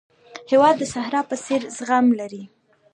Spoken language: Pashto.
هېواد د صحرا په څېر زغم لري.